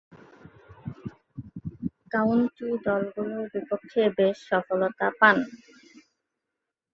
County দলগুলোর বিপক্ষে বেশ সফলতা পান।